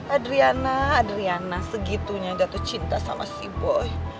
adriana adriana segitunya jatuh cinta sama si boy